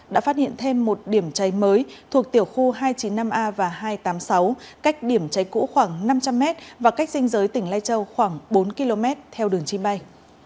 đã phát hiện thêm một điểm cháy mới thuộc tiểu khu hai trăm chín mươi năm a và hai trăm tám mươi sáu cách điểm cháy cũ khoảng năm trăm linh m và cách dinh giới tỉnh lai châu khoảng bốn km theo đường chim bay